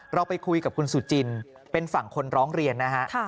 เราไปคุยกับคุณสุจินเป็นฝั่งคนร้องเรียนนะฮะ